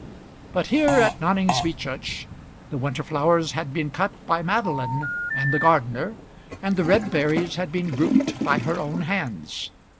But here at Noningsby church, the winter flowers had been cut by Madeline and the gardener, and the red berries had been grouped by her own hands.